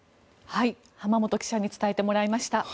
濱元記者に伝えてもらいました。